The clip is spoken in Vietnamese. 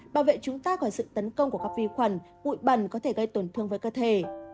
bảo vệ chúng ta khỏi sự tấn công của các vi khuẩn bụi bẩn có thể gây tổn thương với cơ thể